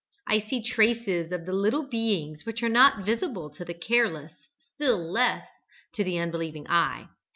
I see traces of the little beings which are not visible to the careless, still less to the unbelieving eye.